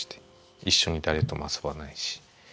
一緒に誰とも遊ばないし。